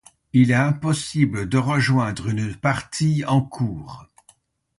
Il est impossible de rejoindre une partie en cours.